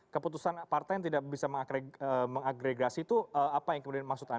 keputusan partai yang tidak bisa mengagregasi itu apa yang kemudian masuk ke dalam